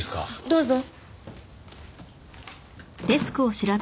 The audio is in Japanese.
どうぞ。